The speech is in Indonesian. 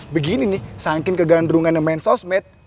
begini nih saking kegandrungan yang main sosmed